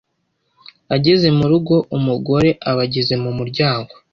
ageze mu rugo, umugore aba ageze mu muryango